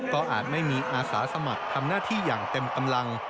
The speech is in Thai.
ก็อาจไม่มีอาสาสมัครทำหน้าที่อย่างเต็มกำลัง